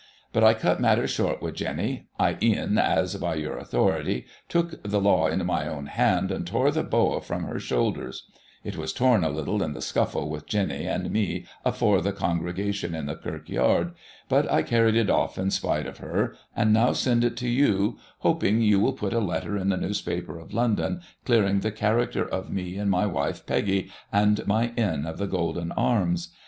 But I cut matters short wi* Jeny ; I een, as if by your authority, tuke Digiti ized by Google 6 GOSSIP. [1837 the law in my own hand, and tore the Bowa from her sholders ; it was torn a Httle in the scuffle wi' Jeny and me afore the congregation in the kirk yard, but I carried it off in spite of her, and now send it to you, hopping you will put a letter in the newspaper of Limdon deering the karacter of me and my wiffe Peggy, and my Inn of the Golden Arms.